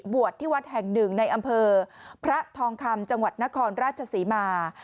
ที่วัดแห่งหนึ่งในอำเภอพระทองคำจังหวัดนครราชศรีมา